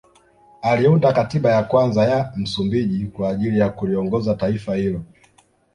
Aliunda katiba ya kwanza ya Msumbiji kwa ajili ya kuliongoza taifa hilo